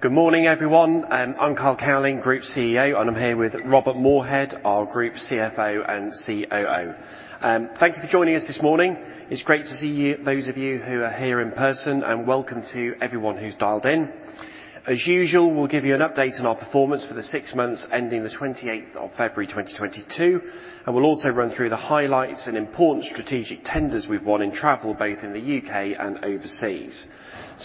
Good morning, everyone. I'm Carl Cowling, Group CEO, and I'm here with Robert Moorhead, our Group CFO and COO. Thank you for joining us this morning. It's great to see you, those of you who are here in person, and welcome to everyone who's dialed in. As usual, we'll give you an update on our performance for the six months ending the 28th of February, 2022, and we'll also run through the highlights and important strategic tenders we've won in travel, both in the U.K. and overseas.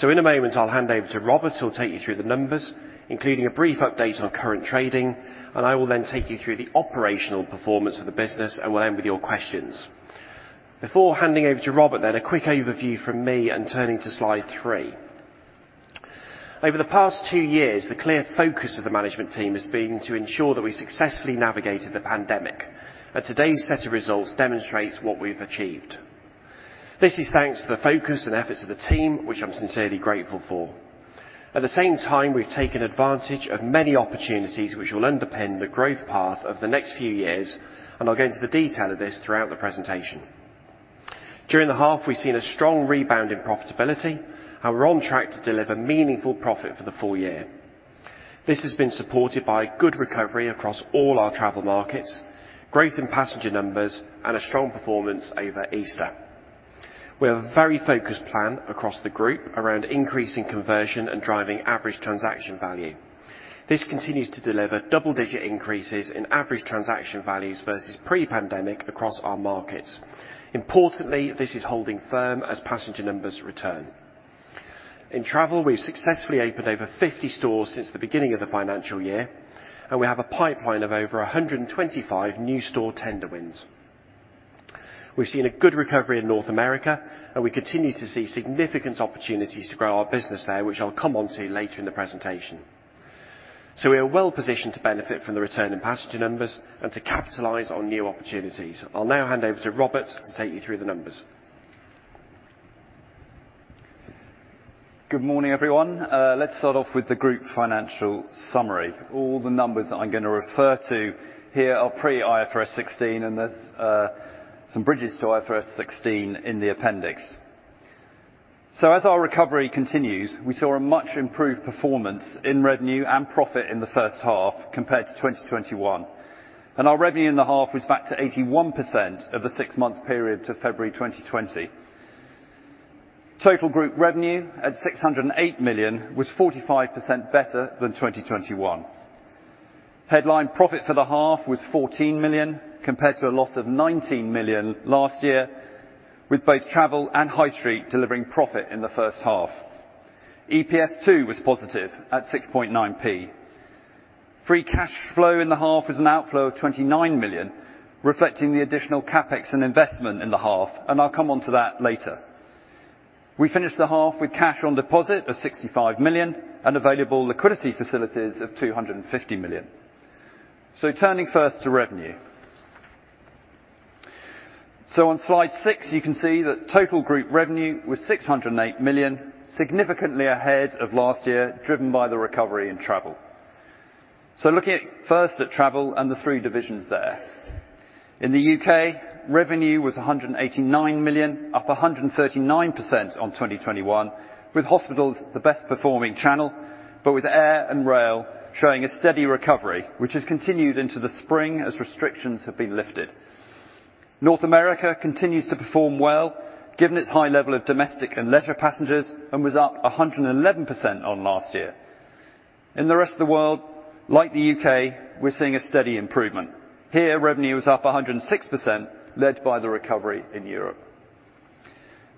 In a moment, I'll hand over to Robert, who'll take you through the numbers, including a brief update on current trading, and I will then take you through the operational performance of the business, and we'll end with your questions. Before handing over to Robert, then a quick overview from me and turning to slide three. Over the past two years, the clear focus of the management team has been to ensure that we successfully navigated the pandemic, and today's set of results demonstrates what we've achieved. This is thanks to the focus and efforts of the team, which I'm sincerely grateful for. At the same time, we've taken advantage of many opportunities which will underpin the growth path of the next few years, and I'll go into the detail of this throughout the presentation. During the half, we've seen a strong rebound in profitability and we're on track to deliver meaningful profit for the full year. This has been supported by good recovery across all our travel markets, growth in passenger numbers, and a strong performance over Easter. We have a very focused plan across the group around increasing conversion and driving average transaction value. This continues to deliver double-digit increases in average transaction values versus pre-pandemic across our markets. Importantly, this is holding firm as passenger numbers return. In travel, we've successfully opened over 50 stores since the beginning of the financial year, and we have a pipeline of over 125 new store tender wins. We've seen a good recovery in North America, and we continue to see significant opportunities to grow our business there, which I'll come onto later in the presentation. We are well-positioned to benefit from the return in passenger numbers and to capitalize on new opportunities. I'll now hand over to Robert to take you through the numbers. Good morning, everyone. Let's start off with the group financial summary. All the numbers that I'm gonna refer to here are pre-IFRS 16, and there's some bridges to IFRS 16 in the appendix. As our recovery continues, we saw a much improved performance in revenue and profit in the first half compared to 2021, and our revenue in the half was back to 81% of the six-month period to February 2020. Total group revenue at 608 million was 45% better than 2021. Headline profit for the half was 14 million compared to a loss of 19 million last year, with both travel and High Street delivering profit in the first half. EPS too was positive at 6.9p. Free cash flow in the half was an outflow of 29 million, reflecting the additional CapEx and investment in the half, and I'll come onto that later. We finished the half with cash on deposit of 65 million and available liquidity facilities of 250 million. Turning first to revenue. On slide six, you can see that total group revenue was 608 million, significantly ahead of last year, driven by the recovery in travel. Looking at first at travel and the three divisions there. In the U.K., revenue was 189 million, up 139% on 2021, with hospitals the best performing channel, but with air and rail showing a steady recovery, which has continued into the spring as restrictions have been lifted. North America continues to perform well, given its high level of domestic and leisure passengers, and was up 111% on last year. In the rest of the world, like the U.K., we're seeing a steady improvement. Here, revenue was up 106%, led by the recovery in Europe.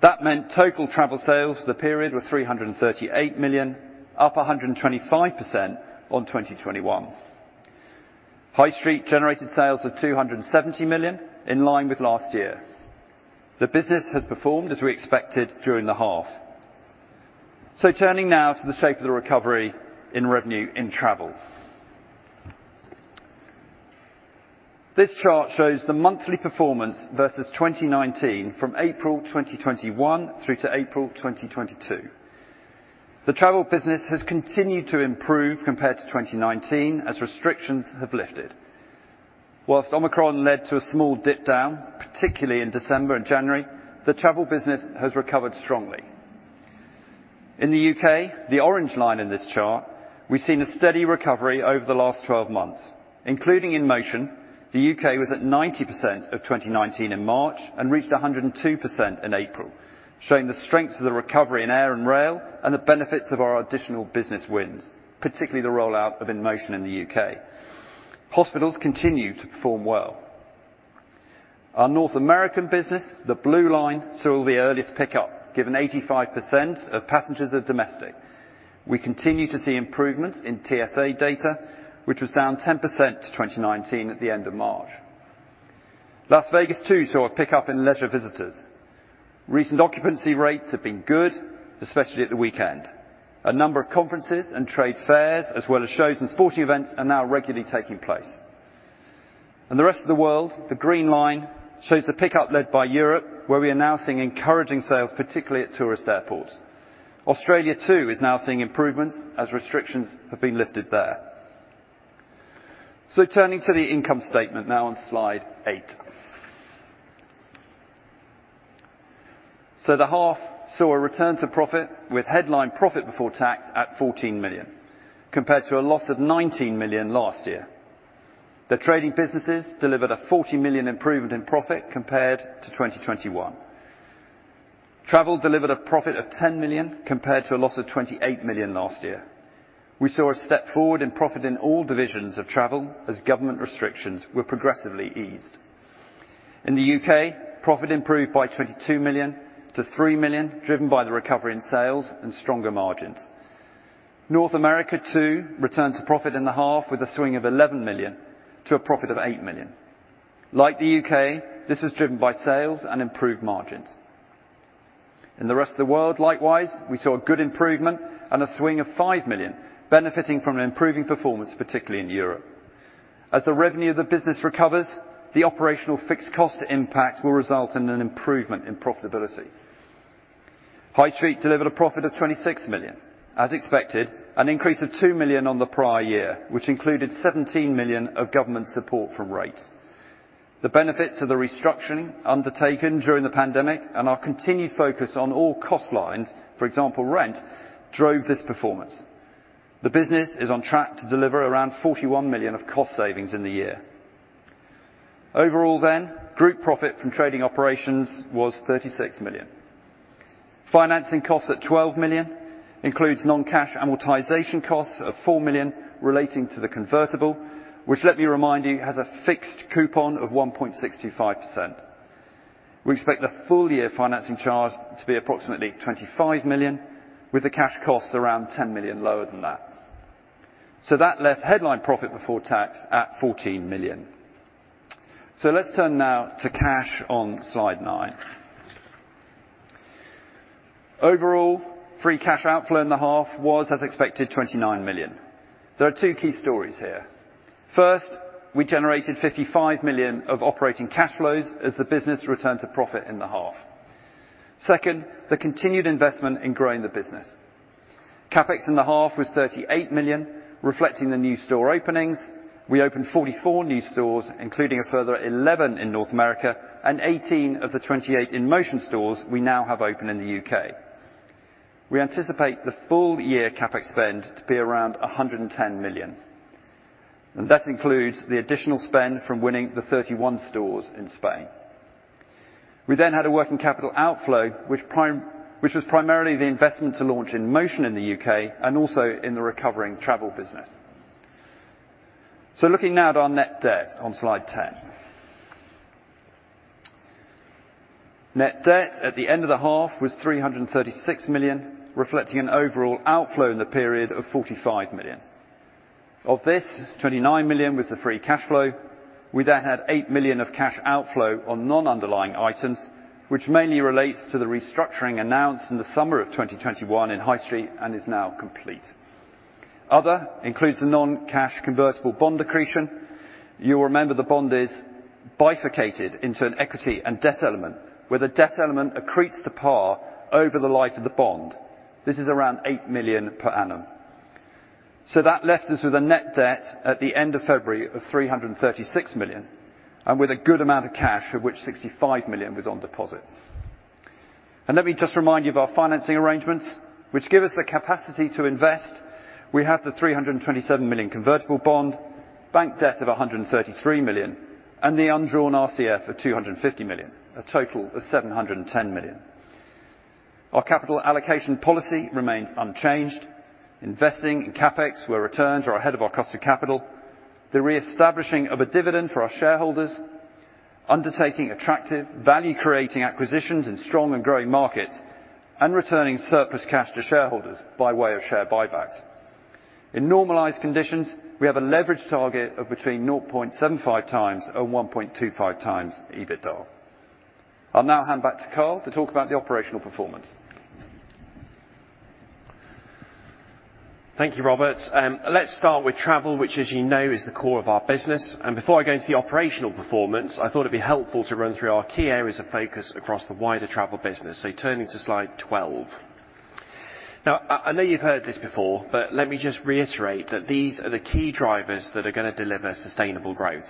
That meant total travel sales for the period were 338 million, up 125% on 2021. High Street generated sales of 270 million, in line with last year. The business has performed as we expected during the half. Turning now to the shape of the recovery in revenue in travel. This chart shows the monthly performance versus 2019 from April 2021 through to April 2022. The travel business has continued to improve compared to 2019 as restrictions have lifted. While Omicron led to a small dip down, particularly in December and January, the travel business has recovered strongly. In the U.K., the orange line in this chart, we've seen a steady recovery over the last 12 months, including InMotion. The U.K. was at 90% of 2019 in March and reached 102% in April, showing the strength of the recovery in air and rail and the benefits of our additional business wins, particularly the rollout of InMotion in the U.K.. Hospitals continue to perform well. Our North American business, the blue line, saw the earliest pickup, given 85% of passengers are domestic. We continue to see improvements in TSA data, which was down 10% to 2019 at the end of March. Las Vegas, too, saw a pickup in leisure visitors. Recent occupancy rates have been good, especially at the weekend. A number of conferences and trade fairs, as well as shows and sporting events, are now regularly taking place. In the rest of the world, the green line shows the pickup led by Europe, where we are now seeing encouraging sales, particularly at tourist airports. Australia too is now seeing improvements as restrictions have been lifted there. Turning to the income statement now on slide eight. The half saw a return to profit with headline profit before tax at 14 million, compared to a loss of 19 million last year. The trading businesses delivered a 40 million improvement in profit compared to 2021. Travel delivered a profit of 10 million compared to a loss of 28 million last year. We saw a step forward in profit in all divisions of travel as government restrictions were progressively eased. In the U.K., profit improved by 22 million-3 million, driven by the recovery in sales and stronger margins. North America too returned to profit in the half with a swing of 11 million to a profit of 8 million. Like the U.K., this was driven by sales and improved margins. In the rest of the world, likewise, we saw a good improvement and a swing of 5 million benefiting from an improving performance, particularly in Europe. As the revenue of the business recovers, the operational fixed cost impact will result in an improvement in profitability. High Street delivered a profit of 26 million. As expected, an increase of 2 million on the prior year, which included 17 million of government support from rates. The benefits of the restructuring undertaken during the pandemic and our continued focus on all cost lines, for example, rent, drove this performance. The business is on track to deliver around 41 million of cost savings in the year. Overall, group profit from trading operations was 36 million. Financing costs at 12 million includes non-cash amortization costs of 4 million relating to the convertible, which, let me remind you, has a fixed coupon of 1.625%. We expect the full year financing charge to be approximately 25 million, with the cash costs around 10 million lower than that. That left headline profit before tax at 14 million. Let's turn now to cash on slide nine. Overall, free cash outflow in the half was, as expected, 29 million. There are two key stories here. First, we generated 55 million of operating cash flows as the business returned to profit in the half. Second, the continued investment in growing the business. CapEx in the half was 38 million, reflecting the new store openings. We opened 44 new stores, including a further 11 in North America and 18 of the 28 InMotion stores we now have open in the U.K.. We anticipate the full year CapEx spend to be around 110 million, and that includes the additional spend from winning the 31 stores in Spain. We then had a working capital outflow, which was primarily the investment to launch InMotion in the U.K. and also in the recovering travel business. Looking now at our net debt on slide 10. Net debt at the end of the half was 336 million, reflecting an overall outflow in the period of 45 million. Of this, 29 million was the free cash flow. We then had 8 million of cash outflow on non-underlying items, which mainly relates to the restructuring announced in the summer of 2021 in High Street and is now complete. Other includes the non-cash convertible bond accretion. You'll remember the bond is bifurcated into an equity and debt element, where the debt element accretes to par over the life of the bond. This is around 8 million per annum. That left us with a net debt at the end of February of 336 million and with a good amount of cash of which 65 million was on deposit. Let me just remind you of our financing arrangements which give us the capacity to invest. We have the 327 million convertible bond, bank debt of 133 million, and the undrawn RCF of 250 million, a total of 710 million. Our capital allocation policy remains unchanged. Investing in CapEx where returns are ahead of our cost of capital, the reestablishing of a dividend for our shareholders, undertaking attractive value-creating acquisitions in strong and growing markets, and returning surplus cash to shareholders by way of share buybacks. In normalized conditions, we have a leverage target of between 0.75x and 1.25x EBITDA. I'll now hand back to Carl to talk about the operational performance. Thank you, Robert. Let's start with travel, which as you know, is the core of our business. Before I go into the operational performance, I thought it'd be helpful to run through our key areas of focus across the wider travel business. Turning to slide 12. Now, I know you've heard this before, but let me just reiterate that these are the key drivers that are gonna deliver sustainable growth.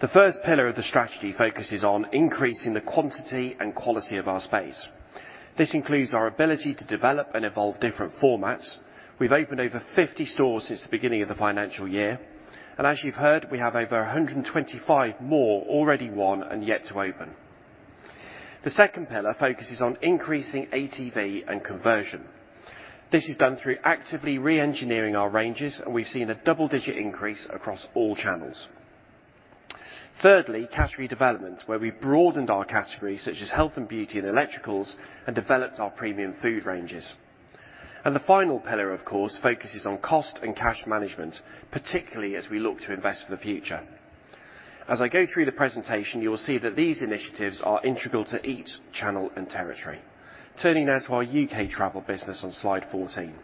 The first pillar of the strategy focuses on increasing the quantity and quality of our space. This includes our ability to develop and evolve different formats. We've opened over 50 stores since the beginning of the financial year. As you've heard, we have over 125 more already won and yet to open. The second pillar focuses on increasing ATV and conversion. This is done through actively re-engineering our ranges, and we've seen a double-digit increase across all channels. Thirdly, category development, where we broadened our categories such as health and beauty and electricals and developed our premium food ranges. The final pillar, of course, focuses on cost and cash management, particularly as we look to invest for the future. As I go through the presentation, you will see that these initiatives are integral to each channel and territory. Turning now to our U.K. travel business on slide 14.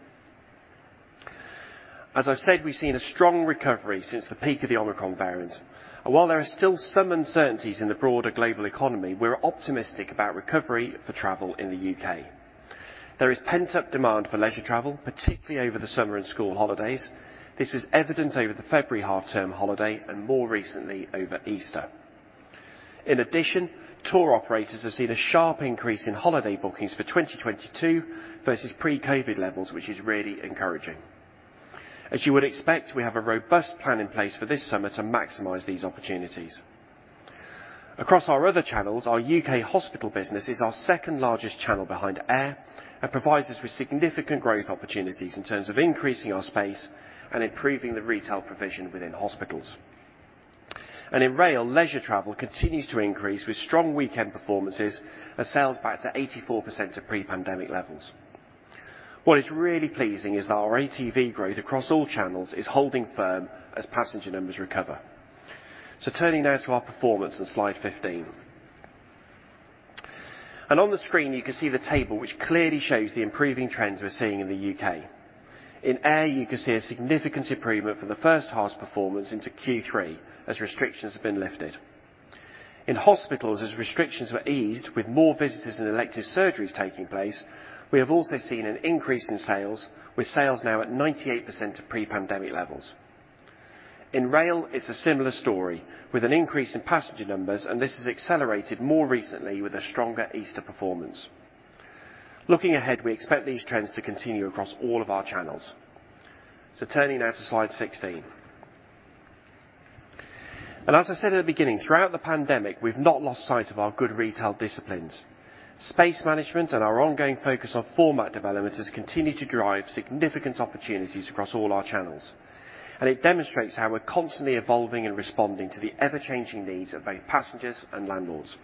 As I've said, we've seen a strong recovery since the peak of the Omicron variant. While there are still some uncertainties in the broader global economy, we're optimistic about recovery for travel in the U.K.. There is pent-up demand for leisure travel, particularly over the summer and school holidays. This was evident over the February half-term holiday, and more recently over Easter. In addition, tour operators have seen a sharp increase in holiday bookings for 2022 versus pre-COVID levels, which is really encouraging. As you would expect, we have a robust plan in place for this summer to maximize these opportunities. Across our other channels, our U.K. hospital business is our second-largest channel behind air, and provides us with significant growth opportunities in terms of increasing our space and improving the retail provision within hospitals. In rail, leisure travel continues to increase with strong weekend performances and sales back to 84% of pre-pandemic levels. What is really pleasing is that our ATV growth across all channels is holding firm as passenger numbers recover. Turning now to our performance on slide 15. On the screen you can see the table which clearly shows the improving trends we're seeing in the U.K.. In air, you can see a significant improvement from the first half's performance into Q3 as restrictions have been lifted. In hospitals, as restrictions were eased with more visitors and elective surgeries taking place, we have also seen an increase in sales, with sales now at 98% of pre-pandemic levels. In rail, it's a similar story with an increase in passenger numbers, and this has accelerated more recently with a stronger Easter performance. Looking ahead, we expect these trends to continue across all of our channels. Turning now to slide 16. As I said at the beginning, throughout the pandemic, we've not lost sight of our good retail disciplines. Space management and our ongoing focus on format development has continued to drive significant opportunities across all our channels, and it demonstrates how we're constantly evolving and responding to the ever-changing needs of both passengers and landlords.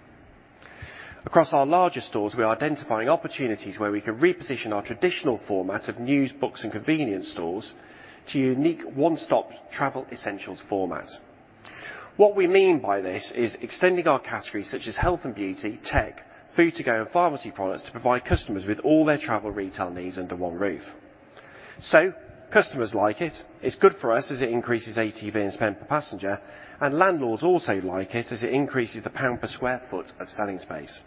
Across our larger stores, we are identifying opportunities where we can reposition our traditional format of news, books, and convenience stores to a unique one-stop travel essentials format. What we mean by this is extending our categories such as health and beauty, tech, food to go, and pharmacy products to provide customers with all their travel retail needs under one roof. Customers like it's good for us as it increases ATV and spend per passenger, and landlords also like it as it increases the GBP per sq ft of selling space.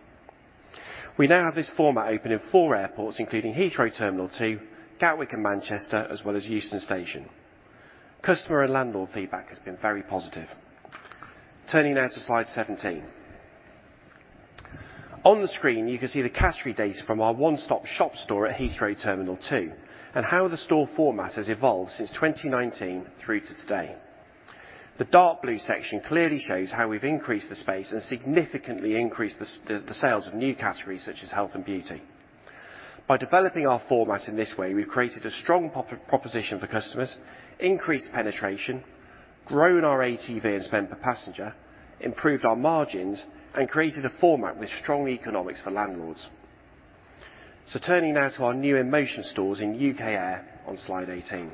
We now have this format open in four airports, including Heathrow Terminal Two, Gatwick and Manchester, as well as Euston Station. Customer and landlord feedback has been very positive. Turning now to slide 17. On the screen you can see the category data from our one-stop shop store at Heathrow Terminal two, and how the store format has evolved since 2019 through to today. The dark blue section clearly shows how we've increased the space and significantly increased the sales of new categories such as health and beauty. By developing our format in this way, we've created a strong proposition for customers, increased penetration, grown our ATV and spend per passenger, improved our margins, and created a format with strong economics for landlords. Turning now to our new InMotion stores in U.K. airports on slide 18.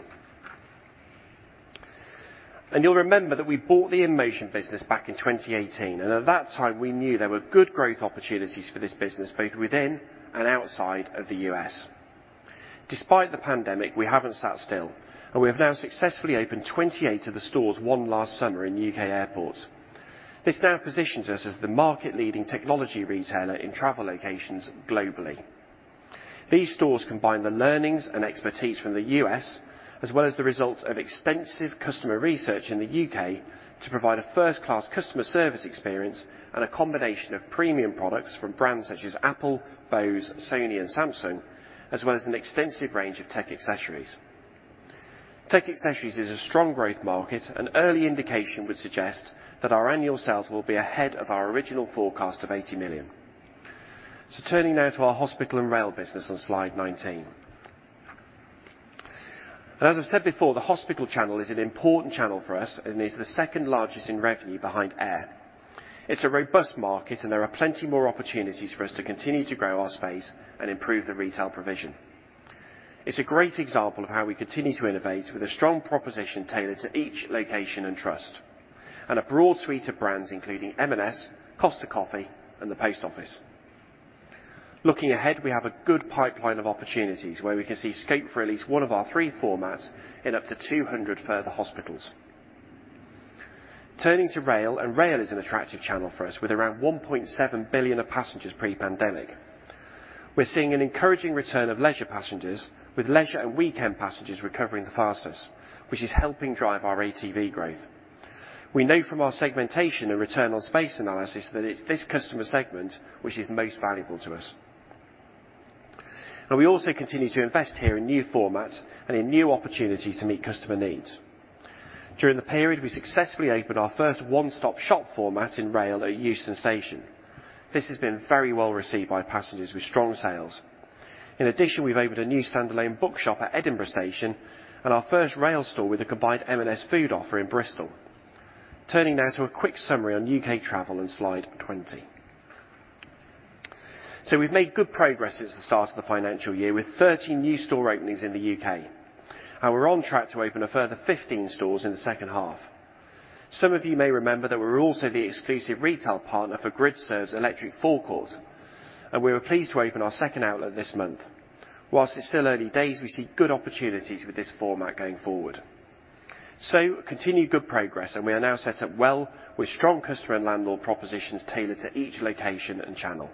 You'll remember that we bought the InMotion business back in 2018, and at that time, we knew there were good growth opportunities for this business, both within and outside of the U.S. Despite the pandemic, we haven't sat still, and we have now successfully opened 28 of the stores won last summer in U.K. airports. This now positions us as the market-leading technology retailer in travel locations globally. These stores combine the learnings and expertise from the U.S., as well as the results of extensive customer research in the U.K. to provide a first-class customer service experience and a combination of premium products from brands such as Apple, Bose, Sony and Samsung, as well as an extensive range of tech accessories. Tech accessories is a strong growth market, and early indication would suggest that our annual sales will be ahead of our original forecast of 80 million. Turning now to our hospital and rail business on slide 19. As I've said before, the hospital channel is an important channel for us and is the second largest in revenue behind air. It's a robust market, and there are plenty more opportunities for us to continue to grow our space and improve the retail provision. It's a great example of how we continue to innovate with a strong proposition tailored to each location and trust, and a broad suite of brands including M&S, Costa Coffee, and the Post Office. Looking ahead, we have a good pipeline of opportunities where we can see scope for at least one of our three formats in up to 200 further hospitals. Turning to rail is an attractive channel for us with around 1.7 billion passengers pre-pandemic. We're seeing an encouraging return of leisure passengers with leisure and weekend passengers recovering the fastest, which is helping drive our ATV growth. We know from our segmentation and return on space analysis that it's this customer segment which is most valuable to us. We also continue to invest here in new formats and in new opportunities to meet customer needs. During the period, we successfully opened our first one-stop shop format in rail at Euston Station. This has been very well received by passengers with strong sales. In addition, we've opened a new standalone bookshop at Edinburgh Station and our first rail store with a combined M&S food offer in Bristol. Turning now to a quick summary on U.K. travel on slide 20. We've made good progress since the start of the financial year, with 30 new store openings in the U.K., and we're on track to open a further 15 stores in the second half. Some of you may remember that we're also the exclusive retail partner for GRIDSERVE's electric forecourt, and we were pleased to open our second outlet this month. While it's still early days, we see good opportunities with this format going forward. Continued good progress, and we are now set up well with strong customer and landlord propositions tailored to each location and channel.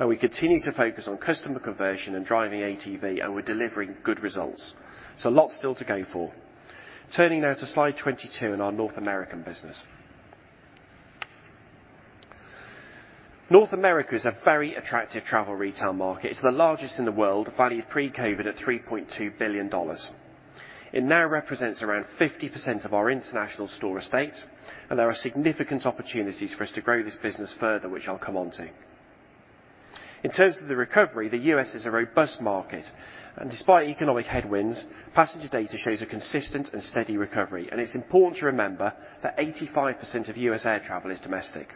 We continue to focus on customer conversion and driving ATV, and we're delivering good results, so lots still to go for. Turning now to slide 22 in our North American business. North America is a very attractive travel retail market. It's the largest in the world, valued pre-COVID at $3.2 billion. It now represents around 50% of our international store estate, and there are significant opportunities for us to grow this business further, which I'll come onto. In terms of the recovery, the U.S. is a robust market, and despite economic headwinds, passenger data shows a consistent and steady recovery. It's important to remember that 85% of U.S. air travel is domestic.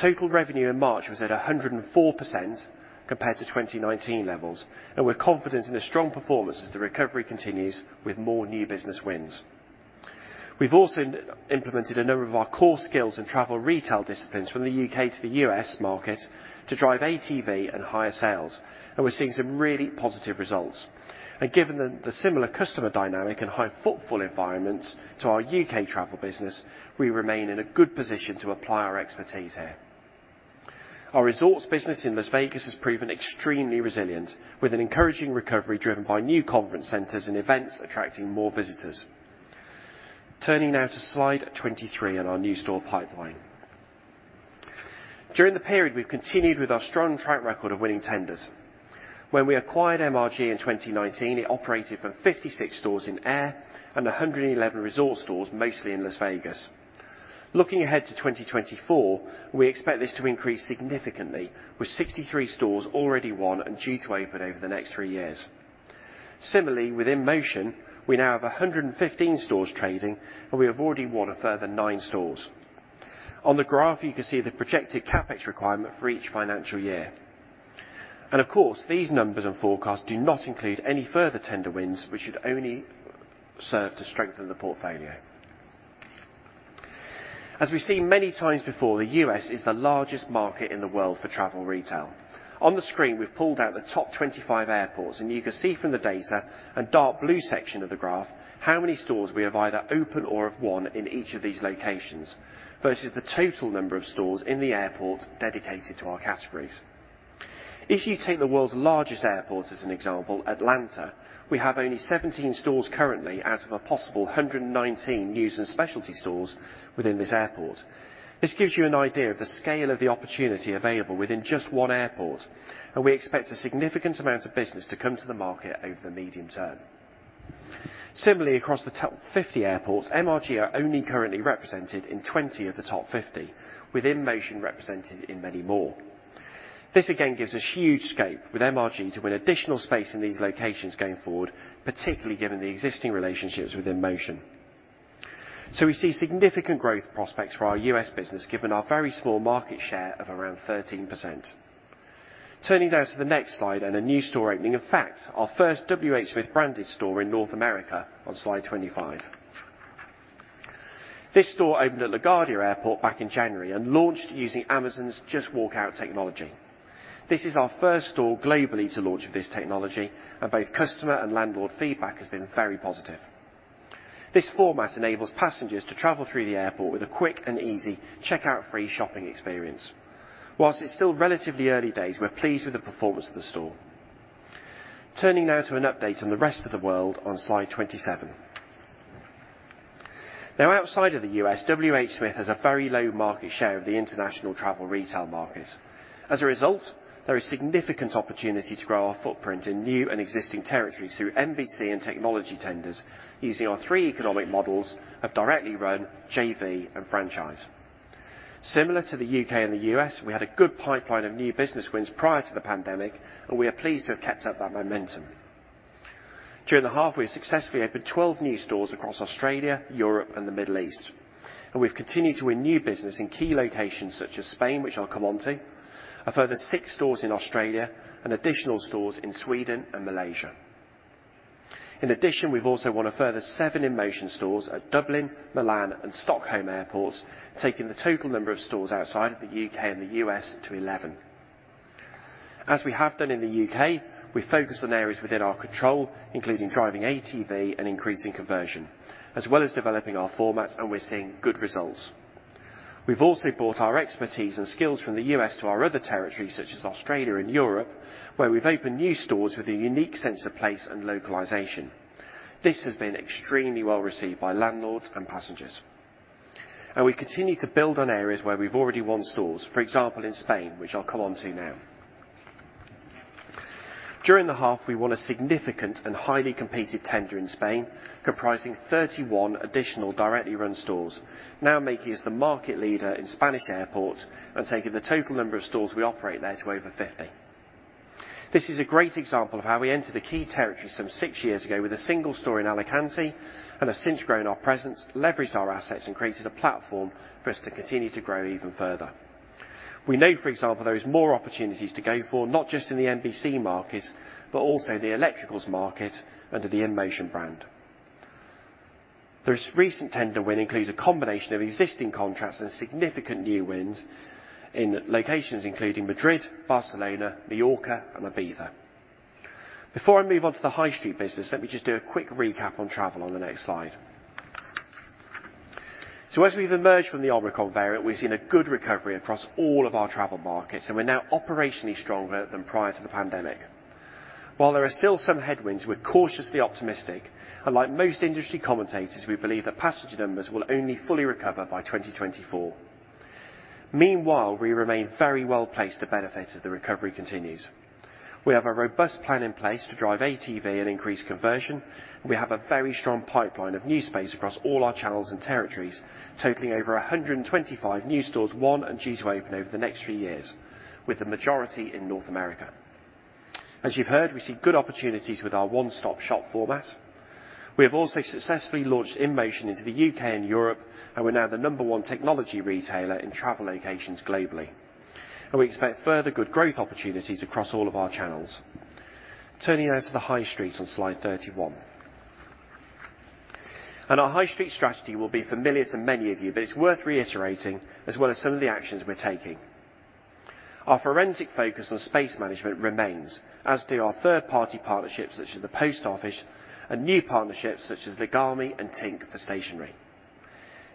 Total revenue in March was at 104% compared to 2019 levels, and we're confident in a strong performance as the recovery continues with more new business wins. We've also implemented a number of our core skills and travel retail disciplines from the U.K. to the U.S. market to drive ATV and higher sales, and we're seeing some really positive results. Given the similar customer dynamic and high footfall environments to our U.K. travel business, we remain in a good position to apply our expertise here. Our resorts business in Las Vegas has proven extremely resilient, with an encouraging recovery driven by new conference centers and events attracting more visitors. Turning now to slide 23 in our new store pipeline. During the period, we've continued with our strong track record of winning tenders. When we acquired MRG in 2019, it operated from 56 stores in airports and 111 resort stores, mostly in Las Vegas. Looking ahead to 2024, we expect this to increase significantly with 63 stores already won and due to open over the next three years. Similarly, with InMotion, we now have 115 stores trading, and we have already won a further nine stores. On the graph, you can see the projected CapEx requirement for each financial year. Of course, these numbers and forecasts do not include any further tender wins, which should only serve to strengthen the portfolio. As we've seen many times before, the U.S. is the largest market in the world for travel retail. On the screen, we've pulled out the top 25 airports, and you can see from the data and dark blue section of the graph how many stores we have either open or have won in each of these locations, versus the total number of stores in the airport dedicated to our categories. If you take the world's largest airport as an example, Atlanta, we have only 17 stores currently out of a possible 119 news and specialty stores within this airport. This gives you an idea of the scale of the opportunity available within just one airport, and we expect a significant amount of business to come to the market over the medium term. Similarly, across the top 50 airports, MRG are only currently represented in 20 of the top 50, with InMotion represented in many more. This again gives us huge scope with MRG to win additional space in these locations going forward, particularly given the existing relationships with InMotion. We see significant growth prospects for our U.S. business given our very small market share of around 13%. Turning now to the next slide and a new store opening. In fact, our first WHSmith branded store in North America on slide 25. This store opened at LaGuardia Airport back in January and launched using Amazon's Just Walk Out technology. This is our first store globally to launch this technology, and both customer and landlord feedback has been very positive. This format enables passengers to travel through the airport with a quick and easy checkout-free shopping experience. While it's still relatively early days, we're pleased with the performance of the store. Turning now to an update on the rest of the world on slide 27. Now, outside of the U.S., WHSmith has a very low market share of the international travel retail market. As a result, there is significant opportunity to grow our footprint in new and existing territories through NBC and technology tenders using our three economic models of directly run JV and franchise. Similar to the U.K. and the U.S., we had a good pipeline of new business wins prior to the pandemic, and we are pleased to have kept up that momentum. During the half, we have successfully opened 12 new stores across Australia, Europe, and the Middle East, and we've continued to win new business in key locations such as Spain, which I'll come onto, a further six stores in Australia, and additional stores in Sweden and Malaysia. In addition, we've also won a further seven InMotion stores at Dublin, Milan, and Stockholm airports, taking the total number of stores outside of the U.K. and the U.S. to 11. As we have done in the U.K., we focus on areas within our control, including driving ATV and increasing conversion, as well as developing our formats, and we're seeing good results. We've also brought our expertise and skills from the U.S. to our other territories such as Australia and Europe, where we've opened new stores with a unique sense of place and localization. This has been extremely well received by landlords and passengers. We continue to build on areas where we've already won stores, for example, in Spain, which I'll come onto now. During the half, we won a significant and highly competitive tender in Spain comprising 31 additional directly run stores, now making us the market leader in Spanish airports and taking the total number of stores we operate there to over 50. This is a great example of how we entered a key territory some six years ago with a single store in Alicante and have since grown our presence, leveraged our assets, and created a platform for us to continue to grow even further. We know, for example, there is more opportunities to go for, not just in the NBC markets, but also the electricals market under the InMotion brand. This recent tender win includes a combination of existing contracts and significant new wins in locations including Madrid, Barcelona, Majorca, and Ibiza. Before I move on to the high street business, let me just do a quick recap on travel on the next slide. As we've emerged from the Omicron variant, we've seen a good recovery across all of our travel markets, and we're now operationally stronger than prior to the pandemic. While there are still some headwinds, we're cautiously optimistic, and like most industry commentators, we believe that passenger numbers will only fully recover by 2024. Meanwhile, we remain very well-placed to benefit as the recovery continues. We have a robust plan in place to drive ATV and increased conversion. We have a very strong pipeline of new space across all our channels and territories, totaling over 125 new stores, 2021 and 2022 to open over the next three years, with the majority in North America. As you've heard, we see good opportunities with our one-stop-shop format. We have also successfully launched InMotion into the U.K. and Europe, and we're now the number one technology retailer in travel locations globally. We expect further good growth opportunities across all of our channels. Turning now to the high street on slide 31. Our high street strategy will be familiar to many of you, but it's worth reiterating as well as some of the actions we're taking. Our forensic focus on space management remains, as do our third-party partnerships such as the Post Office and new partnerships such as Legami and Tinc for stationery.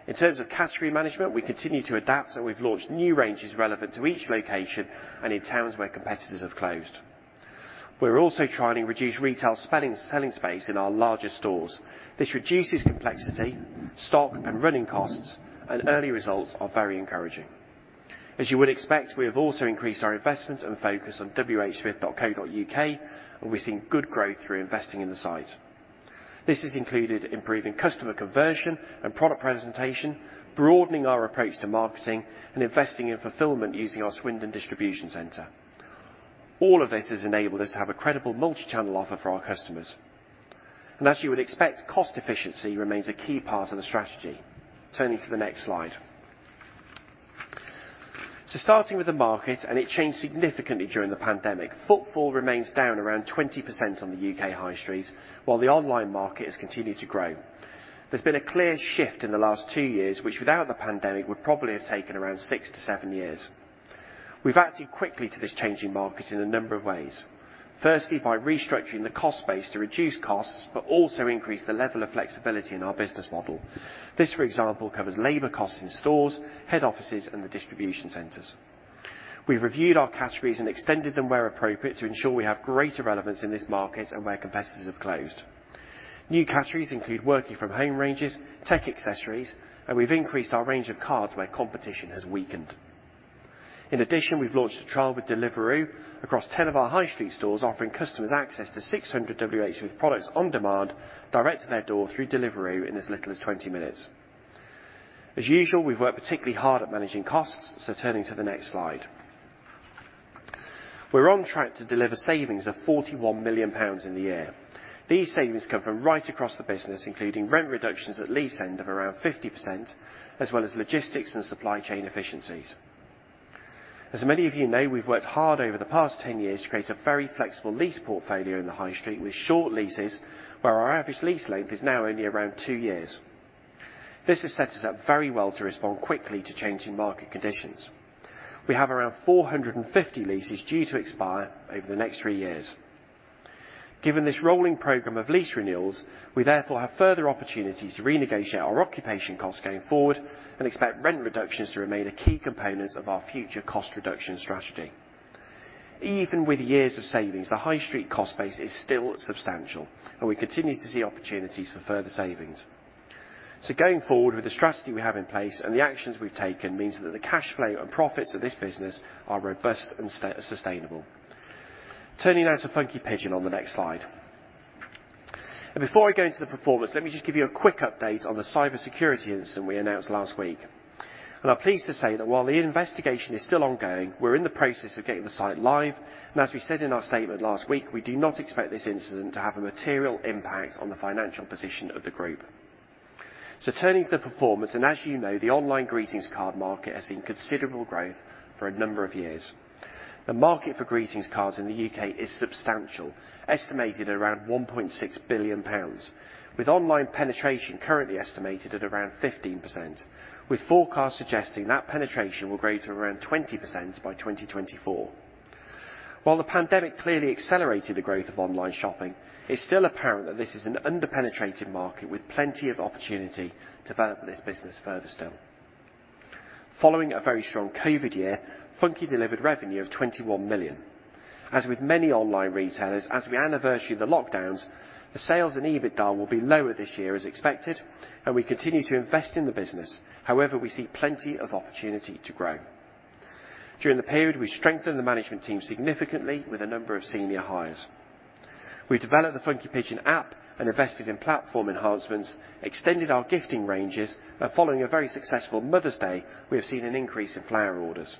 In terms of category management, we continue to adapt, and we've launched new ranges relevant to each location and in towns where competitors have closed. We're also trying to reduce retail selling space in our larger stores. This reduces complexity, stock and running costs, and early results are very encouraging. As you would expect, we have also increased our investment and focus on whsmith.co.uk, and we're seeing good growth through investing in the site. This includes improving customer conversion and product presentation, broadening our approach to marketing, and investing in fulfillment using our Swindon distribution center. All of this has enabled us to have a credible multi-channel offer for our customers. As you would expect, cost efficiency remains a key part of the strategy. Turning to the next slide. Starting with the market, and it changed significantly during the pandemic, footfall remains down around 20% on the U.K. high street, while the online market has continued to grow. There's been a clear shift in the last two years, which without the pandemic, would probably have taken around six-seven years. We've acted quickly to this changing market in a number of ways. Firstly, by restructuring the cost base to reduce costs, but also increase the level of flexibility in our business model. This, for example, covers labor costs in stores, head offices, and the distribution centers. We've reviewed our categories and extended them where appropriate to ensure we have greater relevance in this market and where competitors have closed. New categories include working from home ranges, tech accessories, and we've increased our range of cards where competition has weakened. In addition, we've launched a trial with Deliveroo across 10 of our high street stores, offering customers access to 600 WHSmith products on demand direct to their door through Deliveroo in as little as 20 minutes. As usual, we've worked particularly hard at managing costs, so turning to the next slide. We're on track to deliver savings of 41 million pounds in the year. These savings come from right across the business, including rent reductions at lease end of around 50%, as well as logistics and supply chain efficiencies. As many of you know, we've worked hard over the past 10 years to create a very flexible lease portfolio in the high street with short leases where our average lease length is now only around wo years. This has set us up very well to respond quickly to changing market conditions. We have around 450 leases due to expire over the next three years. Given this rolling program of lease renewals, we therefore have further opportunities to renegotiate our occupation costs going forward and expect rent reductions to remain a key component of our future cost reduction strategy. Even with years of savings, the high street cost base is still substantial, and we continue to see opportunities for further savings. Going forward with the strategy we have in place and the actions we've taken means that the cash flow and profits of this business are robust and sustainable. Turning now to Funky Pigeon on the next slide. Before I go into the performance, let me just give you a quick update on the cybersecurity incident we announced last week. I'm pleased to say that while the investigation is still ongoing, we're in the process of getting the site live. As we said in our statement last week, we do not expect this incident to have a material impact on the financial position of the group. Turning to the performance, and as you know, the online greetings card market has seen considerable growth for a number of years. The market for greetings cards in the U.K. is substantial, estimated at around 1.6 billion pounds, with online penetration currently estimated at around 15%, with forecasts suggesting that penetration will grow to around 20% by 2024. While the pandemic clearly accelerated the growth of online shopping, it's still apparent that this is an under-penetrated market with plenty of opportunity to develop this business further still. Following a very strong COVID year, Funky Pigeon delivered revenue of 21 million. As with many online retailers, as we anniversary the lockdowns, the sales and EBITDA will be lower this year as expected, and we continue to invest in the business. However, we see plenty of opportunity to grow. During the period, we strengthened the management team significantly with a number of senior hires. We developed the Funky Pigeon app and invested in platform enhancements, extended our gifting ranges, and following a very successful Mother's Day, we have seen an increase in flower orders.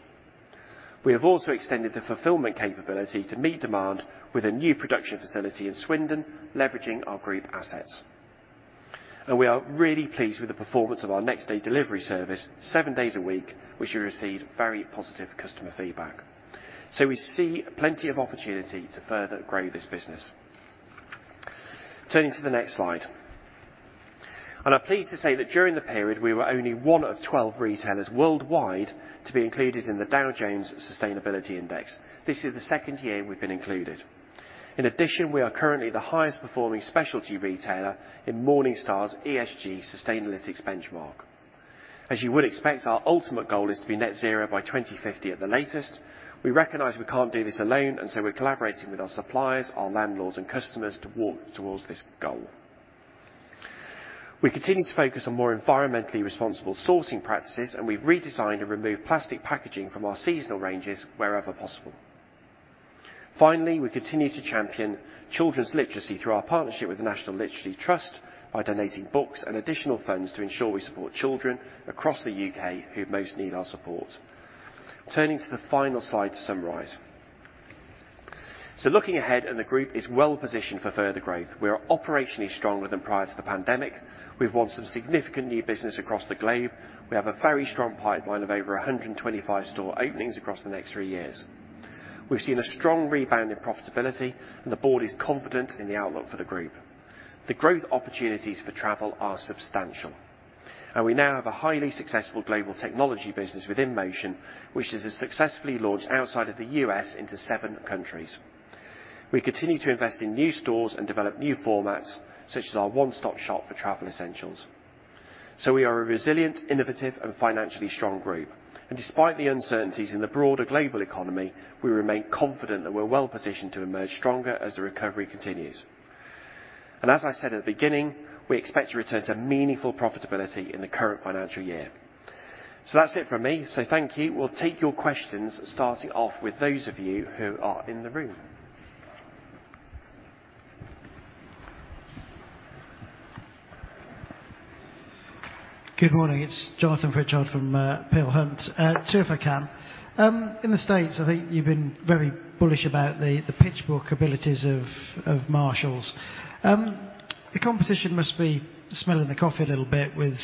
We have also extended the fulfillment capability to meet demand with a new production facility in Swindon, leveraging our group assets. We are really pleased with the performance of our next day delivery service, seven days a week, which we received very positive customer feedback. We see plenty of opportunity to further grow this business. Turning to the next slide. I'm pleased to say that during the period, we were only one of 12 retailers worldwide to be included in the Dow Jones Sustainability Indices. This is the second year we've been included. In addition, we are currently the highest performing specialty retailer in Morningstar's ESG Sustainalytics Benchmark. As you would expect, our ultimate goal is to be net zero by 2050 at the latest. We recognize we can't do this alone, and so we're collaborating with our suppliers, our landlords and customers to walk towards this goal. We continue to focus on more environmentally responsible sourcing practices, and we've redesigned and removed plastic packaging from our seasonal ranges wherever possible. Finally, we continue to champion children's literacy through our partnership with the National Literacy Trust by donating books and additional funds to ensure we support children across the U.K. who most need our support. Turning to the final slide to summarize. Looking ahead, the group is well-positioned for further growth. We are operationally stronger than prior to the pandemic. We've won some significant new business across the globe. We have a very strong pipeline of over 125 store openings across the next three years. We've seen a strong rebound in profitability, and the board is confident in the outlook for the group. The growth opportunities for travel are substantial, and we now have a highly successful global technology business InMotion, which is successfully launched outside of the U.S. into seven countries. We continue to invest in new stores and develop new formats, such as our one-stop shop for travel essentials. We are a resilient, innovative and financially strong group. Despite the uncertainties in the broader global economy, we remain confident that we're well-positioned to emerge stronger as the recovery continues. As I said at the beginning, we expect to return to meaningful profitability in the current financial year. That's it from me. Thank you. We'll take your questions, starting off with those of you who are in the room. Good morning, it's Jonathan Pritchard from Peel Hunt. Two if I can. In the States, I think you've been very bullish about the pitch book abilities of Marshall's. The competition must be smelling the coffee a little bit with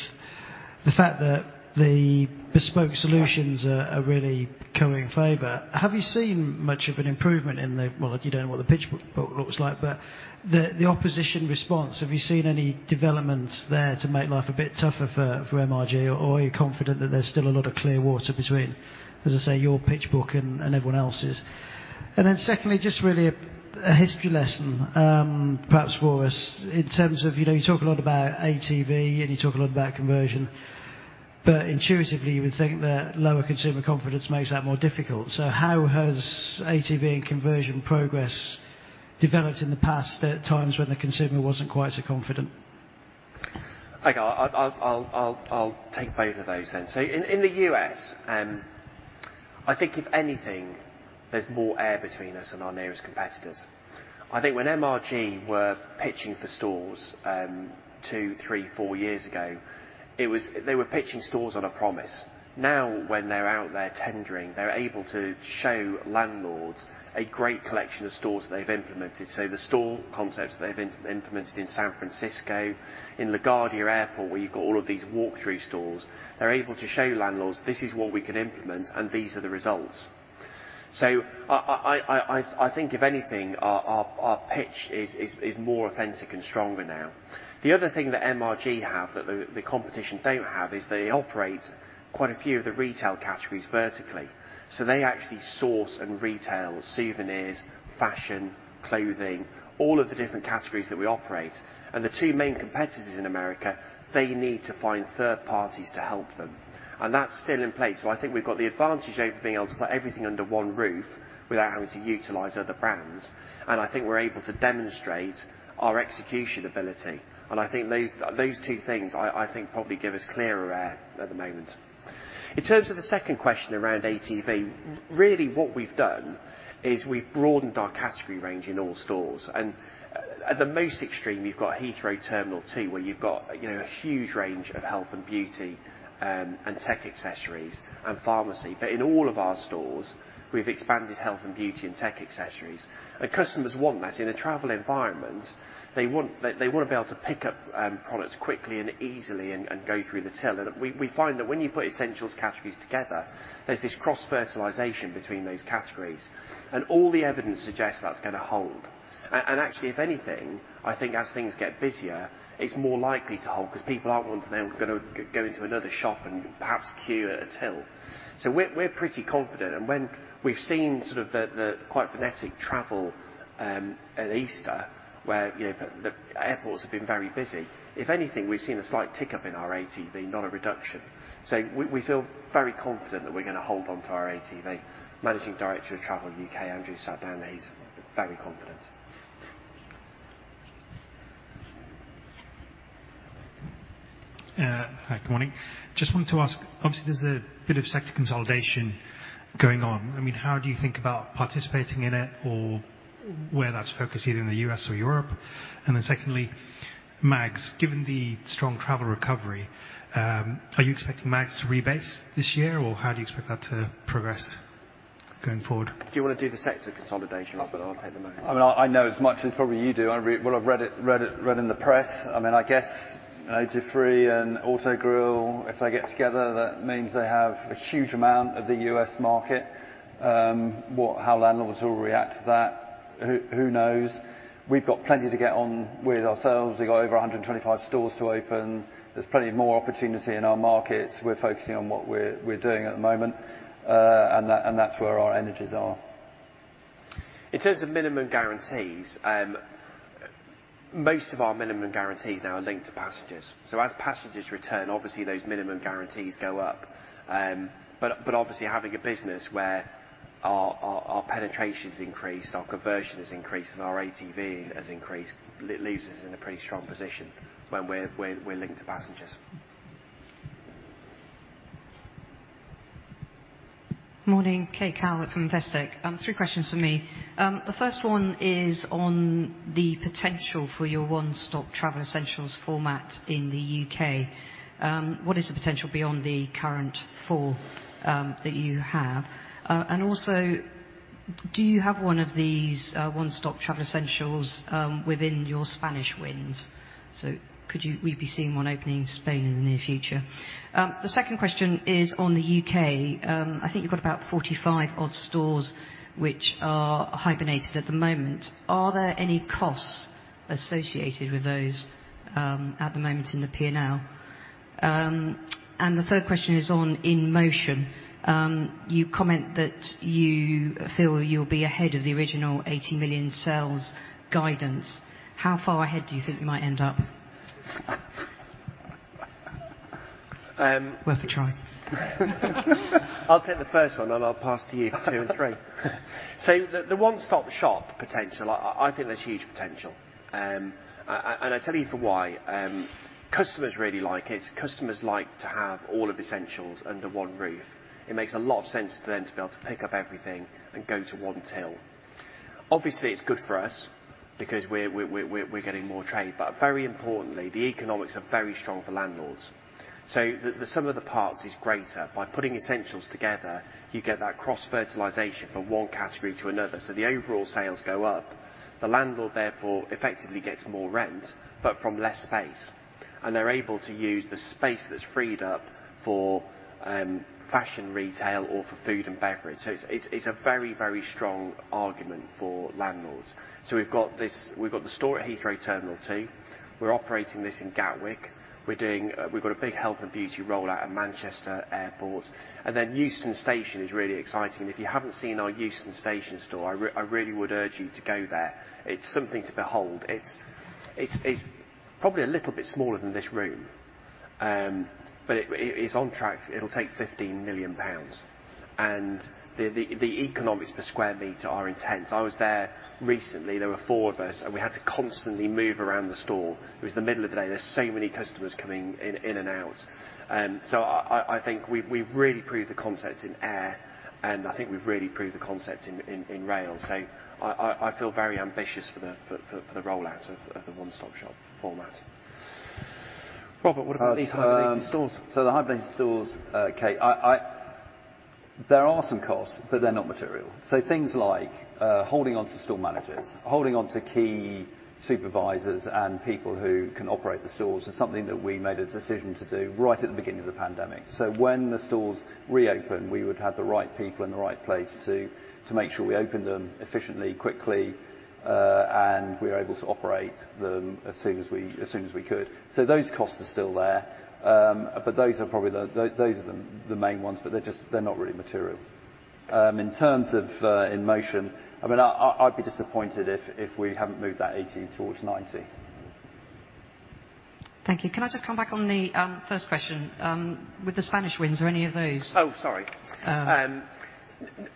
the fact that the bespoke solutions are really coming in favor. Have you seen much of an improvement? Well, you don't know what the pitch book looks like, but the opposition response, have you seen any developments there to make life a bit tougher for MRG? Or are you confident that there's still a lot of clear water between, as I say, your pitch book and everyone else's? Secondly, just really a history lesson, perhaps for us in terms of, you know, you talk a lot about ATV and you talk a lot about conversion, but intuitively, you would think that lower consumer confidence makes that more difficult. So how has ATV and conversion progress developed in the past at times when the consumer wasn't quite so confident? Okay. I'll take both of those then. In the U.S., I think if anything, there's more air between us and our nearest competitors. I think when MRG were pitching for stores, two, three, four years ago, they were pitching stores on a promise. Now, when they're out there tendering, they're able to show landlords a great collection of stores they've implemented. The store concepts they've implemented in San Francisco, in LaGuardia Airport, where you've got all of these walk-through stores, they're able to show landlords, "This is what we can implement, and these are the results." I think if anything, our pitch is more authentic and stronger now. The other thing that MRG have that the competition don't have is they operate quite a few of the retail categories vertically. They actually source and retail souvenirs, fashion, clothing, all of the different categories that we operate. The two main competitors in America, they need to find third parties to help them. That's still in place. I think we've got the advantage over being able to put everything under one roof without having to utilize other brands. I think we're able to demonstrate our execution ability. I think those two things probably give us clearer air at the moment. In terms of the second question around ATV, really what we've done is we've broadened our category range in all stores. At the most extreme, you've got Heathrow Terminal two, where you've got, you know, a huge range of health and beauty and tech accessories and pharmacy. In all of our stores, we've expanded health and beauty and tech accessories. Customers want that. In a travel environment, they wanna be able to pick up products quickly and easily and go through the till. We find that when you put essentials categories together, there's this cross-fertilization between those categories. All the evidence suggests that's gonna hold. Actually, if anything, I think as things get busier, it's more likely to hold 'cause people aren't wanting to go into another shop and perhaps queue at a till. We're pretty confident. When we've seen the quite frenetic travel at Easter, where you know, the airports have been very busy, if anything, we've seen a slight tick up in our ATV, not a reduction. We feel very confident that we're gonna hold on to our ATV. Managing Director of Travel U.K., Andrew Harrison, he's very confident. Good morning. Just wanted to ask, obviously, there's a bit of sector consolidation going on. I mean, how do you think about participating in it or where that's focused, either in the U.S. or Europe? Secondly, MAGs. Given the strong travel recovery, are you expecting MAGs to rebase this year, or how do you expect that to progress going forward? Do you wanna do the sector consolidation, Robert? I'll take the MAGs. I mean, I know as much as probably you do. Well, I've read it in the press. I mean, I guess Dufry and Autogrill, if they get together, that means they have a huge amount of the U.S. market. How landlords will react to that, who knows? We've got plenty to get on with ourselves. We've got over 125 stores to open. There's plenty more opportunity in our markets. We're focusing on what we're doing at the moment. That's where our energies are. In terms of minimum guarantees, most of our minimum guarantees now are linked to passengers. As passengers return, obviously those minimum guarantees go up. But obviously having a business where our penetration's increased, our conversion has increased, and our ATV has increased, leaves us in a pretty strong position when we're linked to passengers. Morning, Kate Calvert from Investec. Three questions from me. The first one is on the potential for your one-stop travel essentials format in the U.K.. What is the potential beyond the current four that you have? And also, do you have one of these one-stop travel essentials within your Spanish wins? Could we be seeing one opening in Spain in the near future? The second question is on the U.K.. I think you've got about 45-odd stores which are hibernated at the moment. Are there any costs associated with those at the moment in the P&L? And the third question is on InMotion. You comment that you feel you'll be ahead of the original 80 million sales guidance. How far ahead do you think you might end up? Worth a try. I'll take the first one, and I'll pass to you for two and three. The one-stop shop potential, I think there's huge potential. And I tell you for why. Customers really like it. Customers like to have all of essentials under one roof. It makes a lot of sense to them to be able to pick up everything and go to one till. Obviously, it's good for us because we're getting more trade, but very importantly, the economics are very strong for landlords. The sum of the parts is greater. By putting essentials together, you get that cross-fertilization from one category to another, so the overall sales go up. The landlord therefore effectively gets more rent, but from less space, and they're able to use the space that's freed up for fashion retail or for food and beverage. It's a very strong argument for landlords. We've got the store at Heathrow Terminal two. We're operating this in Gatwick. We're doing, we've got a big health and beauty rollout at Manchester Airport. Euston Station is really exciting. If you haven't seen our Euston station store, I really would urge you to go there. It's something to behold. It's probably a little bit smaller than this room. It's on track. It'll take 15 million pounds, and the economics per square meter are intense. I was there recently. There were four of us, and we had to constantly move around the store. It was the middle of the day. There's so many customers coming in and out. I think we've really proved the concept in air, and I think we've really proved the concept in rail. I feel very ambitious for the rollout of the one-stop shop format. Robert, what about these hibernated stores? The hibernated stores, Kate. There are some costs, but they're not material. Things like holding onto store managers, holding onto key supervisors and people who can operate the stores is something that we made a decision to do right at the beginning of the pandemic. When the stores reopen, we would have the right people in the right place to make sure we open them efficiently, quickly, and we're able to operate them as soon as we could. Those costs are still there. But those are probably the main ones, but they're just not really material. In terms of InMotion, I'd be disappointed if we haven't moved that 80 towards 90. Thank you. Can I just come back on the first question? With the Spanish wins, are any of those Oh, sorry. Um.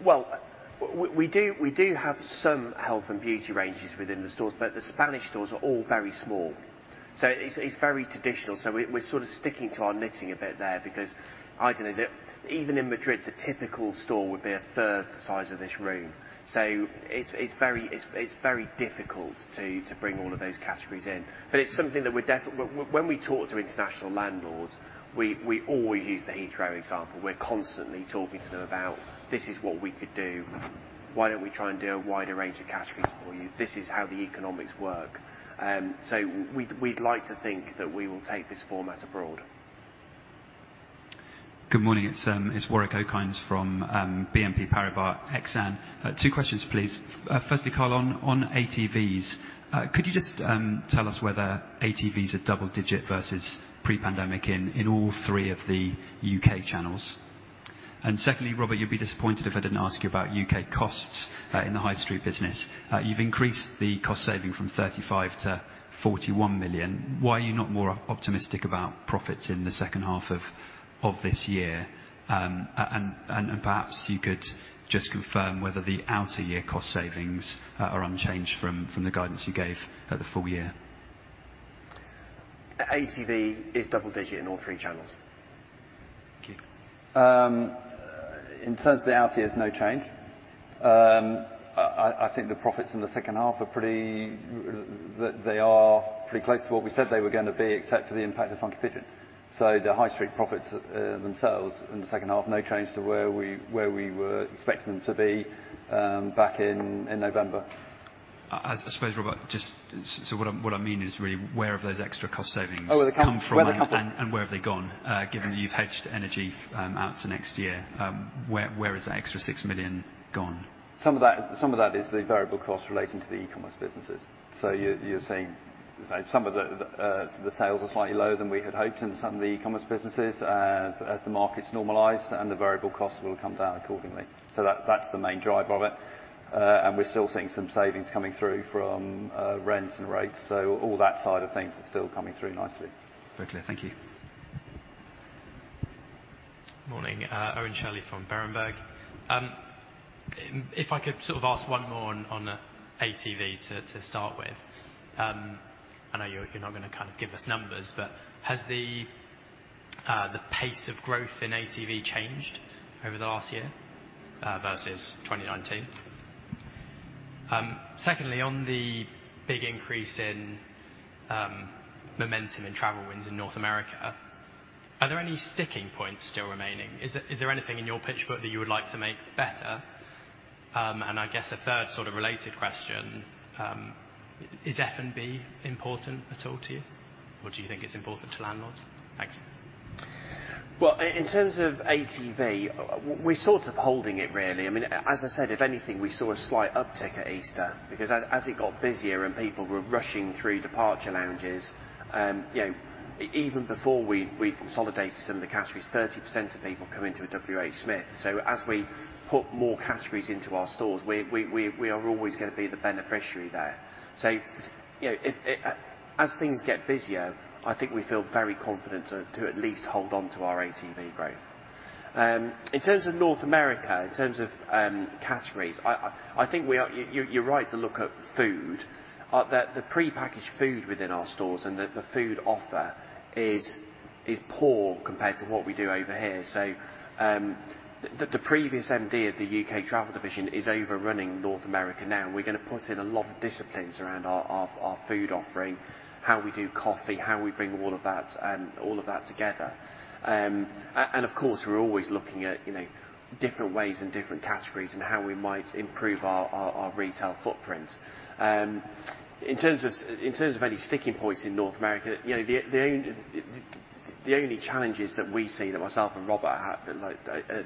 Well, we do have some health and beauty ranges within the stores, but the Spanish stores are all very small. It's very traditional. We're sort of sticking to our knitting a bit there because ideally, even in Madrid, the typical store would be a 1/3 the size of this room. It's very difficult to bring all of those categories in. When we talk to international landlords, we always use the Heathrow example. We're constantly talking to them about, "This is what we could do. Why don't we try and do a wider range of categories for you? This is how the economics work." We'd like to think that we will take this format abroad. Good morning. It's Warwick Okines from BNP Paribas Exane. Two questions, please. Firstly, Carl, on ATVs, could you just tell us whether ATVs are double digit versus pre-pandemic in all three of the U.K. channels? Secondly, Robert, you'd be disappointed if I didn't ask you about U.K. costs in the high street business. You've increased the cost saving from 35 million-41 million. Why are you not more optimistic about profits in the second half of this year? Perhaps you could just confirm whether the outer year cost savings are unchanged from the guidance you gave at the full year? ATV is double digit in all three channels. Thank you. In terms of the outer year, there's no change. I think the profits in the second half are pretty close to what we said they were gonna be, except for the impact of Funky Pigeon. The High Street profits themselves in the second half, no change to where we were expecting them to be, back in November. I suppose, Robert, just, so what I mean is really where have those extra cost savings. Oh, where they come from. come from and where have they gone? Yeah. Given that you've hedged energy out to next year, where is that extra 6 million gone? Some of that is the variable cost relating to the e-commerce businesses. You're seeing some of the sales are slightly lower than we had hoped in some of the e-commerce businesses as the markets normalize, and the variable costs will come down accordingly. That's the main driver of it. We're still seeing some savings coming through from rents and rates. All that side of things is still coming through nicely. Very clear. Thank you. Morning, Owen Shirley from Berenberg. If I could sort of ask one more on ATV to start with. I know you're not gonna kind of give us numbers, but has the pace of growth in ATV changed over the last year versus 2019? Secondly, on the big increase in momentum in travel wins in North America, are there any sticking points still remaining? Is there anything in your pitch book that you would like to make better? I guess a third sort of related question, is F&B important at all to you, or do you think it's important to landlords? Thanks. Well, in terms of ATV, we're sort of holding it, really. I mean, as I said, if anything, we saw a slight uptick at Easter because as it got busier and people were rushing through departure lounges, even before we consolidated some of the categories, 30% of people come into a WHSmith. As we put more categories into our stores, we are always gonna be the beneficiary there. If as things get busier, I think we feel very confident to at least hold on to our ATV growth. In terms of North America, in terms of categories, I think we are. You're right to look at food. The pre-packaged food within our stores and the food offer is poor compared to what we do over here. The previous MD of the U.K. travel division is running North America now, and we're gonna put in a lot of disciplines around our food offering, how we do coffee, how we bring all of that together. And of course, we're always looking at, you know, different ways and different categories and how we might improve our retail footprint. In terms of any sticking points in North America, you know, the only challenges that we see, that myself and Robert have, like,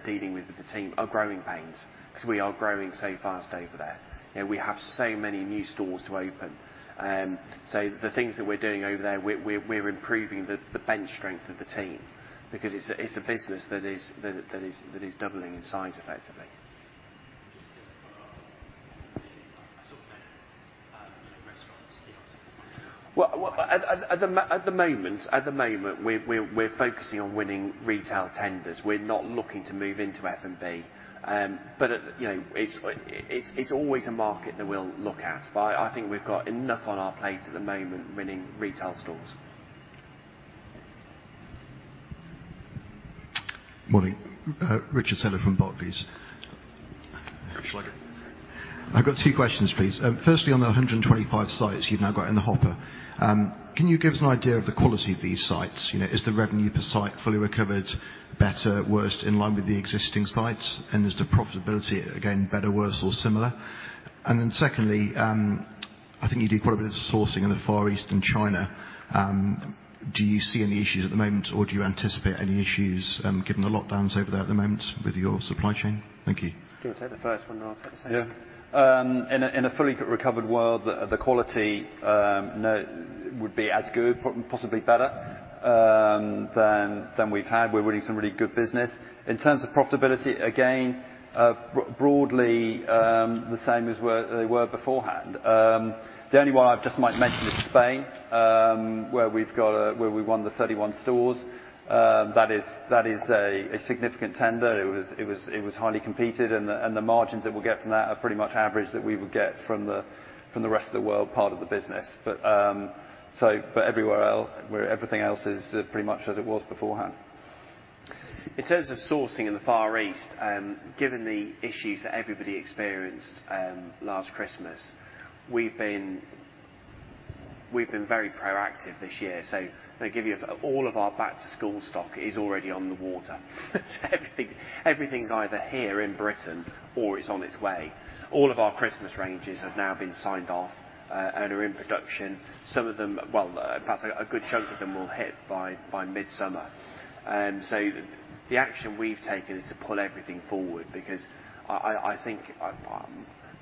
dealing with the team are growing pains because we are growing so fast over there, and we have so many new stores to open. The things that we're doing over there, we're improving the bench strength of the team because it's a business that is doubling in size effectively. Just to follow up on the sort of, you know, restaurants. Well, at the moment, we're focusing on winning retail tenders. We're not looking to move into F&B. You know, it's always a market that we'll look at, but I think we've got enough on our plates at the moment winning retail stores. Morning. Morning. Richard Taylor from Barclays. Richard, how you doing? I've got two questions, please. Firstly, on the 125 sites you've now got in the hopper, can you give us an idea of the quality of these sites? You know, is the revenue per site fully recovered, better, worse, in line with the existing sites? Is the profitability, again, better, worse or similar? Secondly, I think you do quite a bit of sourcing in the Far East and China. Do you see any issues at the moment, or do you anticipate any issues, given the lockdowns over there at the moment with your supply chain? Thank you. Do you want to take the first one, and I'll take the second? In a fully recovered world, the quality would be as good, possibly better, than we've had. We're winning some really good business. In terms of profitability, again, broadly, the same as where they were beforehand. The only one I just might mention is Spain, where we won the 31 stores. That is a significant tender. It was highly competed, and the margins that we'll get from that are pretty much average that we would get from the rest of the world part of the business. Everywhere else, where everything else is pretty much as it was beforehand. In terms of sourcing in the Far East, given the issues that everybody experienced last Christmas, we've been very proactive this year. Let me give you, all of our back-to-school stock is already on the water. Everything's either here in Britain or is on its way. All of our Christmas ranges have now been signed off and are in production. Some of them, well, perhaps a good chunk of them will hit by midsummer. The action we've taken is to pull everything forward because I think